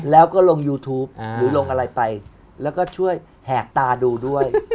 แล้วก็ช่วยแหกตาดูด้วย